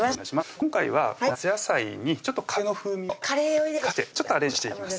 今回はこの夏野菜にちょっとカレーの風味を利かしてちょっとアレンジしていきます